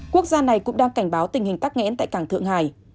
quốc gia này cũng đang cảnh báo tình hình tắc nghẽn tại cảng thượng hải